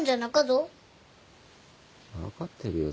分かってるよ